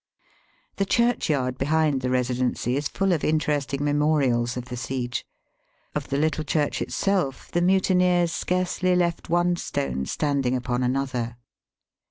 The chm'chyard behind the Residency is full of interesting memorials of the siege. Of the little church itself the mutineers scarcely left one stone standing upon another.